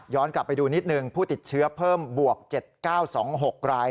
กลับไปดูนิดนึงผู้ติดเชื้อเพิ่มบวก๗๙๒๖ราย